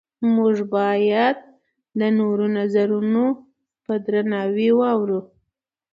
موږ باید د نورو نظرونه په درناوي واورو